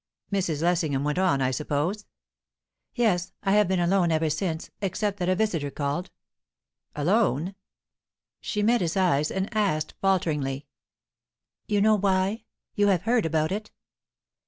"Mrs. Lessingham went on, I suppose?" "Yes. I have been alone ever since, except that a visitor called." "Alone?" She met his eyes, and asked falteringly: "You know why? You have heard about it?"